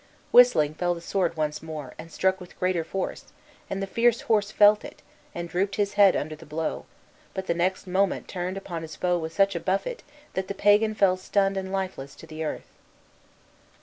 Whistling fell the sword once more, and struck with greater force, and the fierce horse felt it, and drooped his head under the blow, but the next moment turned upon his foe with such a buffet that the Pagan fell stunned and lifeless to the earth.